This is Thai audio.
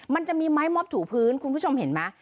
มันจะมีไม้มอบถูพื้นคุณผู้ชมเห็นไหม